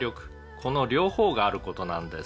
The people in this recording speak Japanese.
この両方がある事なんです」